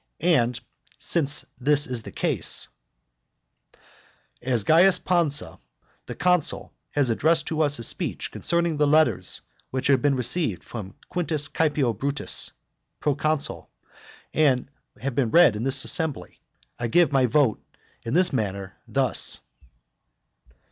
And since this is the case, "As Caius Pansa the consul has addressed to us a speech concerning the letters which have been received from Quintus Caepio Brutus, proconsul, and have been read in this assembly, I give my vote in this matter thus.